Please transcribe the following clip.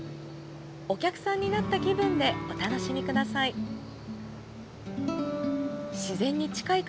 お客さんになった気分でお楽しみください。